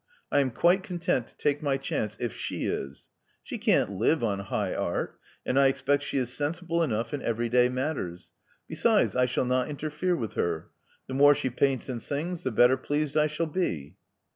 I am quite content to take my chance, if she is. She can't live on high art; and I expect she is sensible enough in everyday matters. Besides, I shall not interfere with her. The * more she paints and sings, the better pleased I shall be."